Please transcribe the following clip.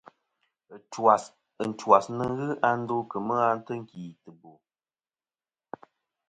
Ɨntwas nɨn ghɨ a ndo kemɨ a tɨnkìtɨbo.